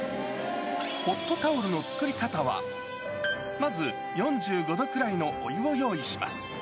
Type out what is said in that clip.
ホットタオルの作り方は、まず４５度くらいのお湯を用意します。